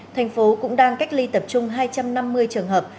tp hcm cũng đang cách ly tập trung hai trăm năm mươi trường hợp